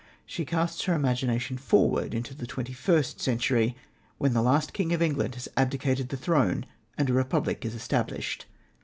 She casts her imagination forward into the twenty first century, when the last king of England has abdicated the throne and a republic is established.